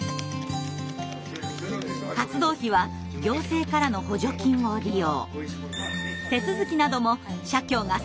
活動費は行政からの補助金を利用。